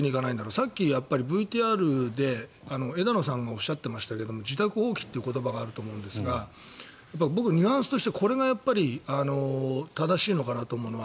さっきＶＴＲで枝野さんがおっしゃっていましたが自宅放棄という言葉があると思うんですが僕、ニュアンスとして、これがやっぱり正しいのかなと思う。